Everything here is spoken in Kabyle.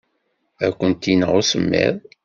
Ad kent-ineɣ usemmiḍ.